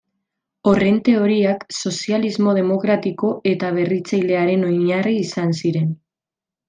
Horren teoriak sozialismo demokratiko eta berritzailearen oinarri izan ziren.